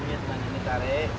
ini sekarang ini tarik